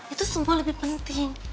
itu semua lebih penting